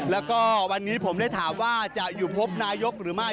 แล้วก็วันนี้ผมได้ถามว่าจะอยู่พบนายกหรือไม่